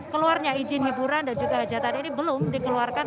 keluarnya izin hiburan dan juga hajatan ini belum dikeluarkan